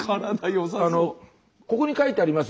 ここに書いてあります